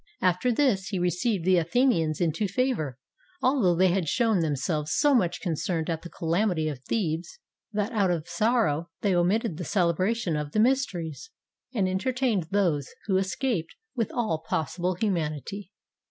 After this he received the Athenians into favor, al though they had shown themselves so much concerned at the calamity of Thebes that out of sorrow they omitted the celebration of the Mysteries, and entertained those who escaped with all possible humanity.